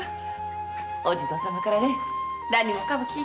お地蔵様から何もかも聞いてるよ。